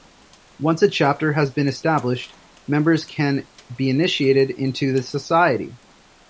Once a chapter has been established, members can be initiated into the society.